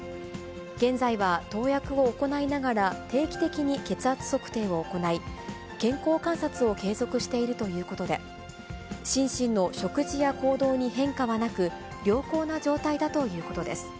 現在は投薬を行いながら、定期的に血圧測定を行い、健康観察を継続しているということで、シンシンの食事や行動に変化はなく、良好な状態だということです。